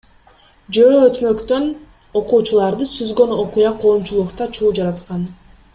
Жөө өтмөктөн окуучуларды сүзгөн окуя коомчулукта чуу жараткан.